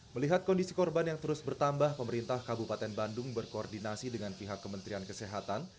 melihat kondisi korban yang terus bertambah pemerintah kabupaten bandung berkoordinasi dengan pihak kementerian kesehatan